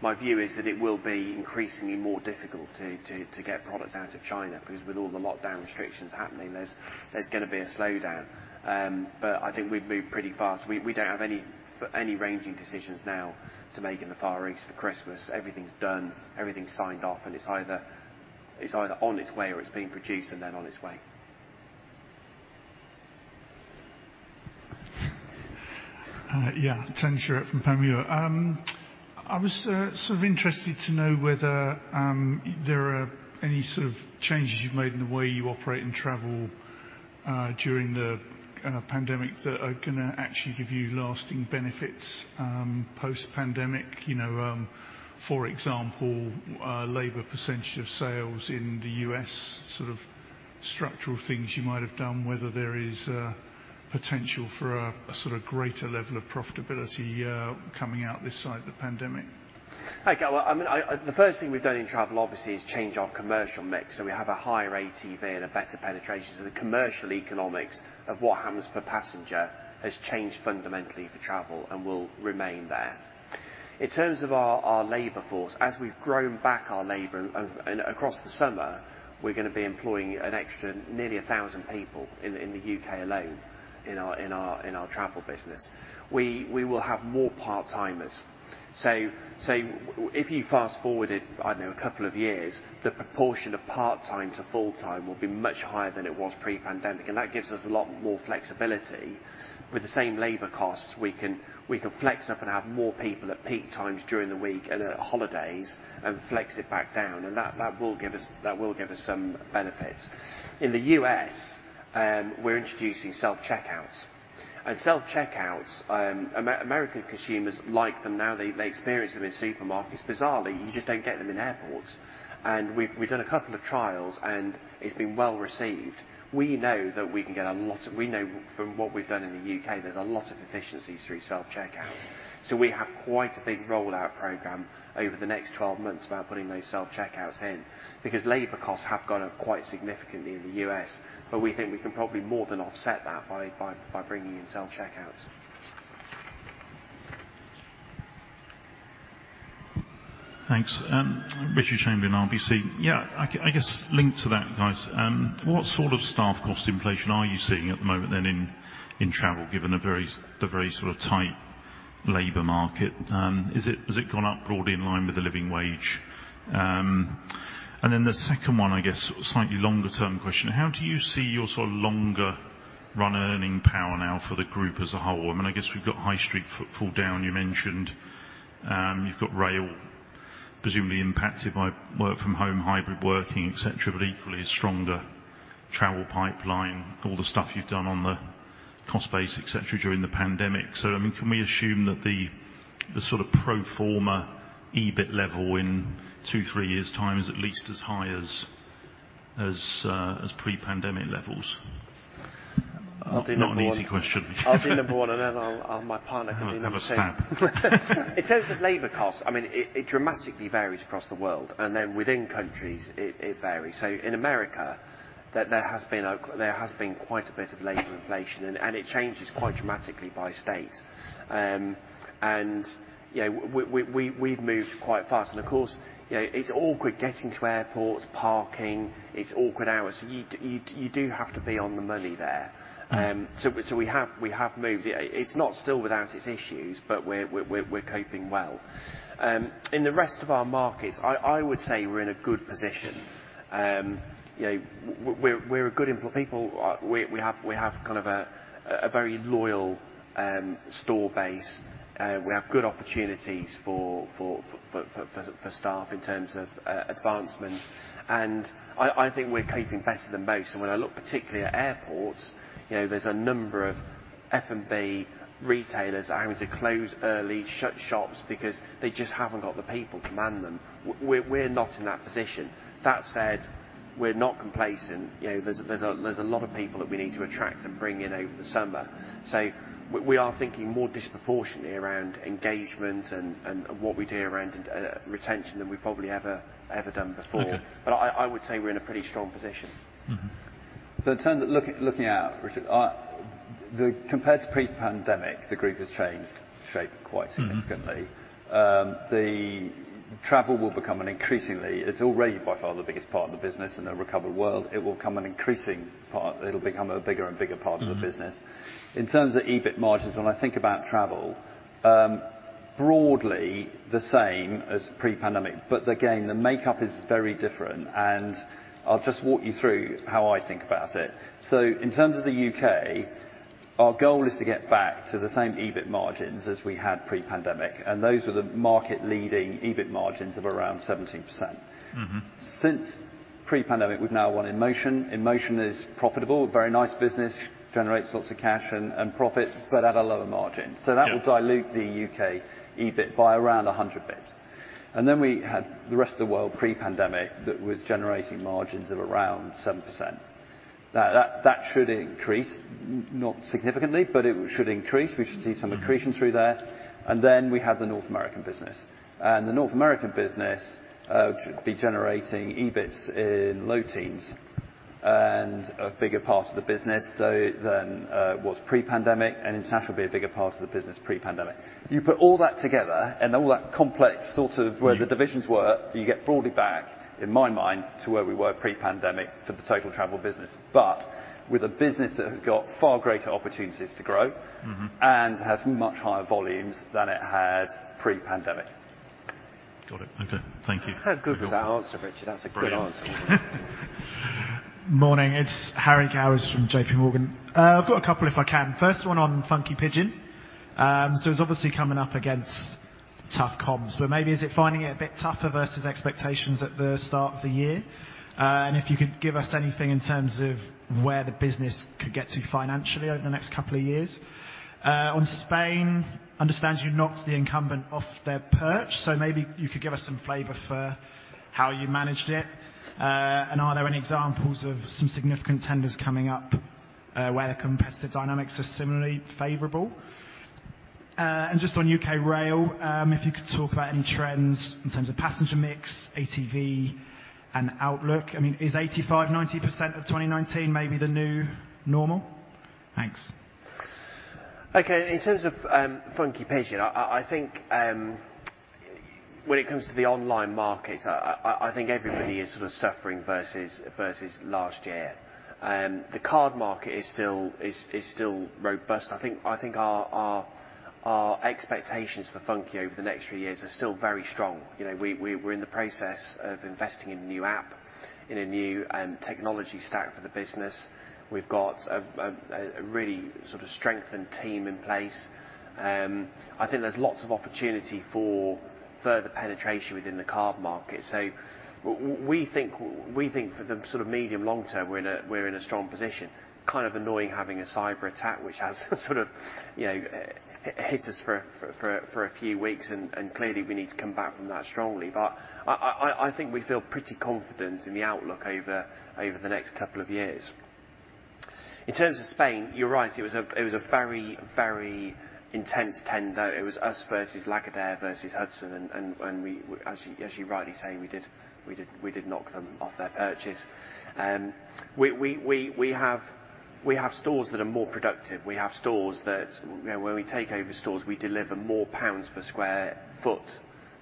my view is that it will be increasingly more difficult to get products out of China, because with all the lockdown restrictions happening, there's gonna be a slowdown. I think we've moved pretty fast. We don't have any ranging decisions now to make in the Far East for Christmas. Everything's done, everything's signed off, and it's either on its way or it's being produced and then on its way. Yeah. Tony Shiret from Panmure Gordon. I was sort of interested to know whether there are any sort of changes you've made in the way you operate in travel during the pandemic that are gonna actually give you lasting benefits post-pandemic. You know, for example, labor percentage of sales in the U.S., sort of structural things you might have done, whether there is a Potential for a sort of greater level of profitability, coming out this side of the pandemic. Okay. Well, I mean, the first thing we've done in travel obviously is change our commercial mix, so we have a higher ATV and a better penetration. The commercial economics of what happens per passenger has changed fundamentally for travel and will remain there. In terms of our labor force, as we've grown back our labor and across the summer, we're gonna be employing an extra nearly 1,000 people in the U.K. alone in our travel business. We will have more part-timers. If you fast-forward it, I don't know, a couple of years, the proportion of part-time to full-time will be much higher than it was pre-pandemic, and that gives us a lot more flexibility. With the same labor costs we can flex up and have more people at peak times during the week and at holidays and flex it back down, and that will give us some benefits. In the U.S., we're introducing self-checkouts. Self-checkouts, American consumers like them. Now they experience them in supermarkets. Bizarrely, you just don't get them in airports. We've done a couple of trials, and it's been well-received. We know from what we've done in the U.K., there's a lot of efficiencies through self-checkouts. We have quite a big rollout program over the next 12 months about putting those self-checkouts in because labor costs have gone up quite significantly in the U.S., but we think we can probably more than offset that by bringing in self-checkouts. Thanks. Richard Chamberlain, RBC. Yeah, I guess linked to that, guys, what sort of staff cost inflation are you seeing at the moment then in travel given the very sort of tight labor market? Is it, has it gone up broadly in line with the living wage? The second one I guess, a slightly longer term question, how do you see your sort of longer run earning power now for the group as a whole? I mean, I guess we've got high street footfall down you mentioned. You've got rail presumably impacted by work from home, hybrid working, et cetera, but equally a stronger travel pipeline, all the stuff you've done on the cost base, et cetera, during the pandemic. I mean, can we assume that the sort of pro forma EBIT level in two-three years' time is at least as high as pre-pandemic levels? I'll do number one. Not an easy question. I'll do number one, and then I'll, my partner can do number two. Oh, the span. In terms of labor costs, I mean, it dramatically varies across the world, and then within countries, it varies. In America, there has been quite a bit of labor inflation, and it changes quite dramatically by state. You know, we've moved quite fast. Of course, you know, it's awkward getting to airports, parking. It's awkward hours. You do have to be on the money there. We have moved. It's not still without its issues, but we're coping well. In the rest of our markets, I would say we're in a good position. You know, we're a good employer. People, we have kind of a very loyal store base. We have good opportunities for staff in terms of advancement. I think we're coping better than most. When I look particularly at airports, you know, there's a number of F&B retailers having to close early, shut shops because they just haven't got the people to man them. We're not in that position. That said, we're not complacent. You know, there's a lot of people that we need to attract and bring in over the summer. We are thinking more disproportionately around engagement and what we do around retention than we probably ever done before. Okay. I would say we're in a pretty strong position. Mm-hmm. In terms of looking out, Richard, compared to pre-pandemic, the group has changed shape quite significantly. Mm-hmm. It's already by far the biggest part of the business. In a recovered world, it will become an increasing part. It'll become a bigger and bigger part. Mm-hmm of the business. In terms of EBIT margins, when I think about travel, broadly the same as pre-pandemic. Again, the makeup is very different, and I'll just walk you through how I think about it. In terms of the U.K., our goal is to get back to the same EBIT margins as we had pre-pandemic, and those were the market leading EBIT margins of around 17%. Mm-hmm. Since pre-pandemic, we've now won InMotion. InMotion is profitable, a very nice business, generates lots of cash and profit but at a lower margin. Yeah. That will dilute the U.K. EBIT by around 100 basis points. Then we had the rest of the world pre-pandemic that was generating margins of around 7%. That should increase, not significantly, but it should increase. We should see some Mm-hmm Accretion through there. We have the North American business. The North American business should be generating EBITs in low teens and a bigger part of the business, so more than what's pre-pandemic, and international will be a bigger part of the business pre-pandemic. You put all that together and all that complex. Yeah where the divisions were, you get broadly back, in my mind, to where we were pre-pandemic for the total travel business but with a business that has got far greater opportunities to grow. Mm-hmm has much higher volumes than it had pre-pandemic. Got it. Okay. Thank you. How good was that answer, Richard? That's a good answer. Great. Morning, it's Harry Gowers from J.P. Morgan. I've got a couple if I can. First one on Funky Pigeon. It's obviously coming up against tough comps, but maybe is it finding it a bit tougher versus expectations at the start of the year? If you could give us anything in terms of where the business could get to financially over the next couple of years? On Spain, understand you knocked the incumbent off their perch, so maybe you could give us some flavor for how you managed it? Are there any examples of some significant tenders coming up, where the competitive dynamics are similarly favorable? Just on U.K. rail, if you could talk about any trends in terms of passenger mix, ATV and outlook. I mean, is 85%-90% of 2019 maybe the new normal? Thanks. Okay. In terms of Funky Pigeon, I think when it comes to the online markets, I think everybody is sort of suffering versus last year. The card market is still robust. I think our expectations for Funky Pigeon over the next few years are still very strong. You know, we're in the process of investing in a new app, in a new technology stack for the business. We've got a really sort of strengthened team in place. I think there's lots of opportunity for further penetration within the card market. We think for the sort of medium long term, we're in a strong position, kind of annoying having a cyberattack, which has sort of, you know, hits us for a few weeks and clearly we need to come back from that strongly. I think we feel pretty confident in the outlook over the next couple of years. In terms of Spain, you're right, it was a very intense tender. It was us versus Lagardère versus Hudson, and as you rightly say, we did knock them off their perches. We have stores that are more productive. We have stores that, you know, when we take over stores, we deliver more GBP per sq ft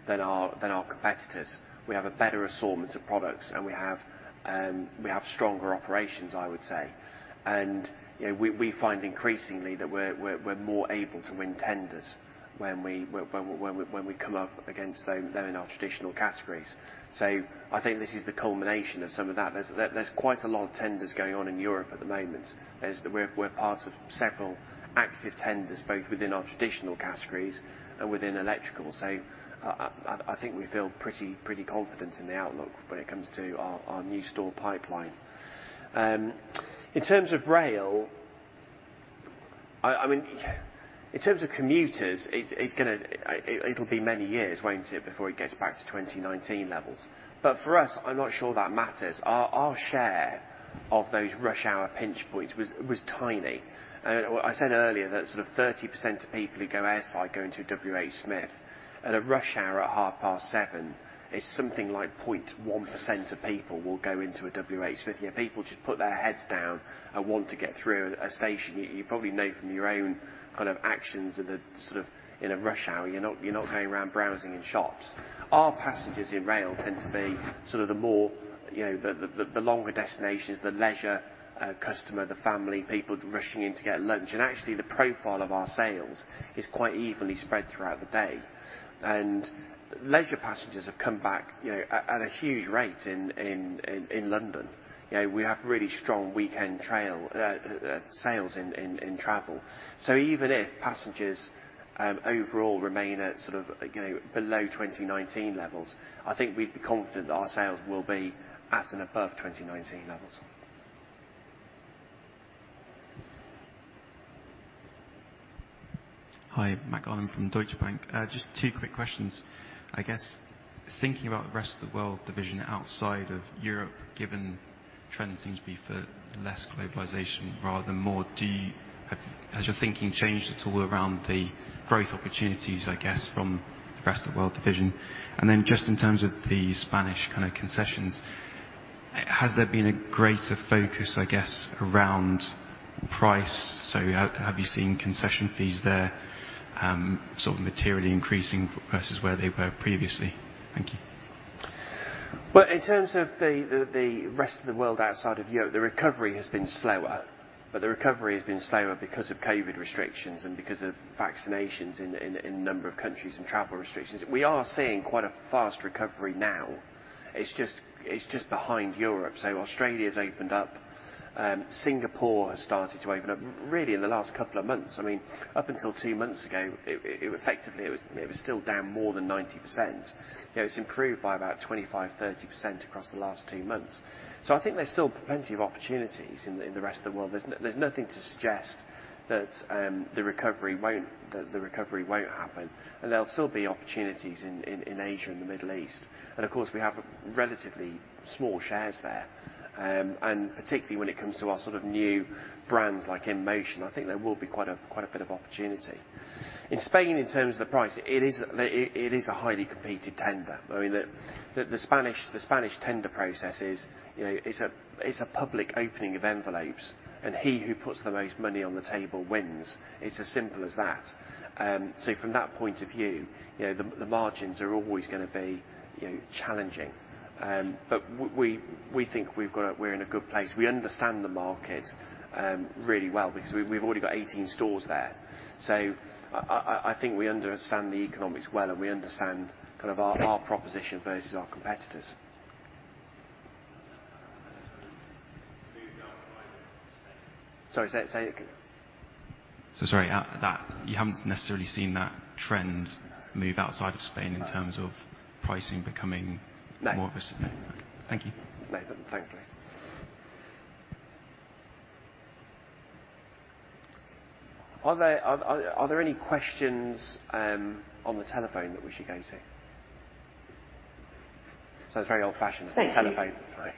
than our competitors. We have a better assortment of products, and we have stronger operations, I would say. You know, we find increasingly that we're more able to win tenders when we come up against them in our traditional categories. I think this is the culmination of some of that. There's quite a lot of tenders going on in Europe at the moment, as we're part of several active tenders, both within our traditional categories and within electrical. I think we feel pretty confident in the outlook when it comes to our new store pipeline. In terms of rail, I mean, in terms of commuters, it'll be many years, won't it, before it gets back to 2019 levels. For us, I'm not sure that matters. Our share of those rush hour pinch points was tiny. I said earlier that sort of 30% of people who go airside go into WHSmith. At a rush hour at 7:30 A.M. is something like 0.1% of people will go into a WHSmith. People just put their heads down and want to get through a station. You probably know from your own kind of actions in a sort of rush hour, you're not going around browsing in shops. Our passengers in rail tend to be sort of the more, you know, the longer destinations, the leisure customer, the family, people rushing in to get lunch. Actually, the profile of our sales is quite evenly spread throughout the day. Leisure passengers have come back, you know, at a huge rate in London. You know, we have really strong weekend travel sales in travel. Even if passengers overall remain at sort of, you know, below 2019 levels, I think we'd be confident that our sales will be at and above 2019 levels. Hi. Mark Allen from Deutsche Bank. Just two quick questions. I guess, thinking about the rest of the world division outside of Europe, given trend seems to be for less globalization rather than more, has your thinking changed at all around the growth opportunities, I guess, from the rest of the world division? Then just in terms of the Spanish kind of concessions, has there been a greater focus, I guess, around price? Have you seen concession fees there sort of materially increasing versus where they were previously? Thank you. Well, in terms of the rest of the world outside of Europe, the recovery has been slower, but the recovery has been slower because of COVID restrictions and because of vaccinations in a number of countries and travel restrictions. We are seeing quite a fast recovery now. It's just behind Europe. Australia's opened up. Singapore has started to open up really in the last couple of months. I mean, up until two months ago, it effectively was still down more than 90%. You know, it's improved by about 25%-30% across the last two months. I think there's still plenty of opportunities in the rest of the world. There's nothing to suggest that the recovery won't happen, and there'll still be opportunities in Asia and the Middle East. Of course, we have relatively small shares there. Particularly when it comes to our sort of new brands like InMotion, I think there will be quite a bit of opportunity. In Spain, in terms of the price, it is a highly competitive tender. I mean, the Spanish tender process is, you know, it's a public opening of envelopes, and he who puts the most money on the table wins. It's as simple as that. From that point of view, you know, the margins are always gonna be, you know, challenging. We think we're in a good place. We understand the market really well because we've already got 18 stores there. I think we understand the economics well, and we understand kind of our proposition versus our competitors. Sorry. Say it again. Sorry that you haven't necessarily seen that trend move outside of Spain. No. in terms of pricing becoming No. More aggressive? Thank you. No. Thankfully. Are there any questions on the telephone that we should go to? Sounds very old-fashioned. Thank you. The telephone. Sorry.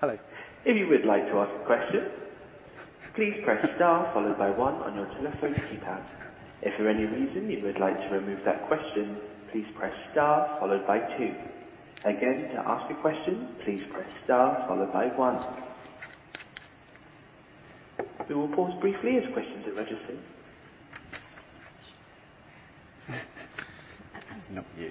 Hello. If you would like to ask a question, please press Star followed by one on your telephone keypad. If for any reason you would like to remove that question, please press Star followed by two. Again, to ask a question, please press Star followed by one. We will pause briefly as questions are registered. It's not you.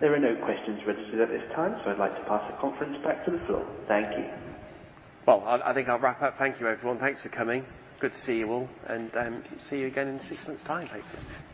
It's the timeline. Say it's over. No. Finish it. There are no questions registered at this time, so I'd like to pass the conference back to the floor. Thank you. Well, I think I'll wrap up. Thank you, everyone. Thanks for coming. Good to see you all, and see you again in six months' time, hopefully.